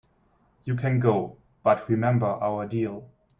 You can go, but remember our deal.